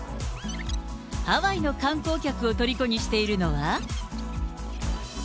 ハワイの観光客をとりこにしているのは。